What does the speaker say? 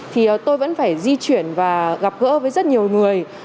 thì tôi vẫn phải di chuyển và gặp gỡ với rất nhiều người